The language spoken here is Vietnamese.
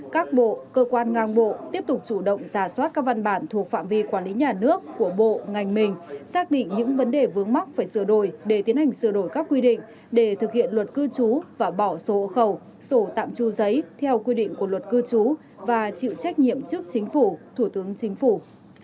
các bộ cơ quan ngang bộ tiếp tục chủ động giả soát các văn bản thuộc phạm vi quản lý nhà nước của bộ ngành mình xác định những vấn đề vướng mắc phải sửa đổi để tiến hành sửa đổi các quy định để thực hiện luật cư trú và bỏ sổ khẩu sổ tạm tru giấy theo quy định của luật cư trú và chịu trách nhiệm trước chính phủ thủ tướng chính phủ